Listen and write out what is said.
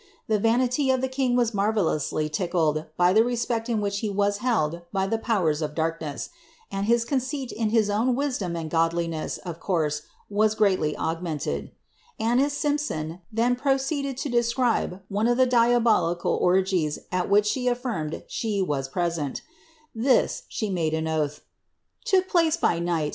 The vaniiy ol the king was marielloiish ttckied hv the respect in which he w»j held bv the powers of darkne=« and hn conceit in his own wisdoni »iid godlmes . ot course Wds greid\ augmented Ainiis Simpson then pro ceeded to describe one if the diab ihe oro^ies at which she allirmcJ ;he w IS present Thii "he mnde oiih look place bv niabi.